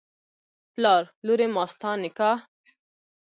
پلار: لورې ماستا نکاح